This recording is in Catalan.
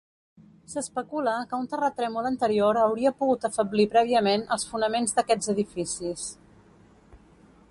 S'especula que un terratrèmol anterior hauria pogut afeblir prèviament els fonaments d'aquests edificis.